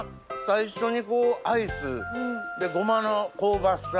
最初にアイスでごまの香ばしさ。